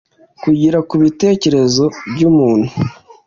kugira ku bitekerezo by umuntu